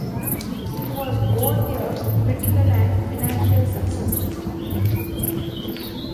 It was both a critical and financial success.